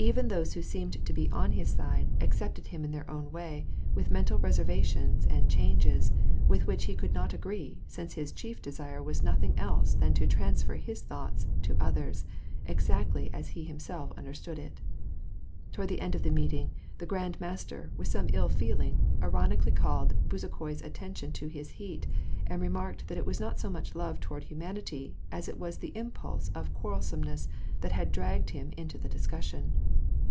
Even those who seemed to be on his side ac cepted him in their own way, with mental reservations and changes, with which he could not agree, since his chief desire was nothing else than to transfer his tliought to others, exactly as he himself understood it. Toward the end of the meeting, the Grand Master, with some ill feeling, ironically called Be zukhoi's attention to his heat, and remarked that it was not so much love toward humanity, as it was the impulse of quarrel someness that had dragged him into the discussion.